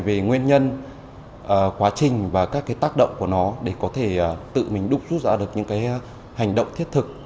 về nguyên nhân quá trình và các tác động của nó để có thể tự mình đúc rút ra được những hành động thiết thực